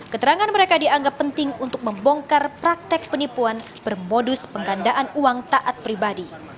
keterangan mereka dianggap penting untuk membongkar praktek penipuan bermodus penggandaan uang taat pribadi